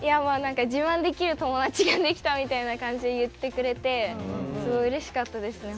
自慢できる友達ができるみたいな感じで言ってくれてすごいうれしかったですね